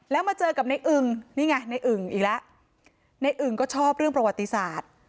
แล้วมาเจอกับในอึงนี่ไงในอึ่งอีกแล้วในอึงก็ชอบเรื่องประวัติศาสตร์